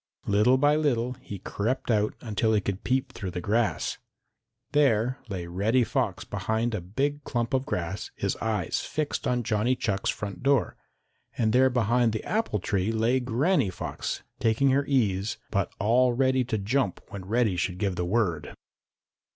Little by little he crept out until he could peep through the grass. There lay Reddy Fox behind a big clump of grass, his eyes fixed on Johnny Chuck's front door, and there behind the apple tree lay Granny Fox taking her ease, but all ready to jump when Reddy should give the word.